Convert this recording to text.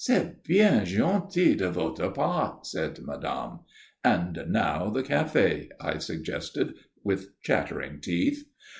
"C'est bien gentil de votre part," said madame. "And now the café," I suggested, with chattering teeth.